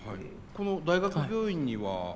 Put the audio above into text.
この大学病院には？